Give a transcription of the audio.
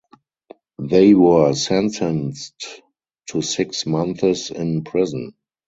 They were sentenced to six months in prison.